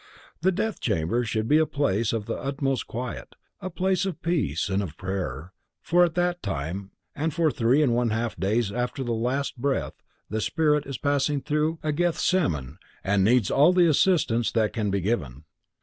The death chamber should be a place of the utmost quiet, a place of peace and of prayer, for at that time, and for three and one half days after the last breath, the spirit is passing through a Gethsemane and needs all the assistance that can be given.